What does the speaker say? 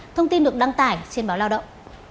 thông tin được đăng tải trên báo lao động